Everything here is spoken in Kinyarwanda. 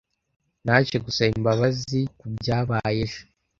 Naje gusaba imbabazi kubyabaye ejo.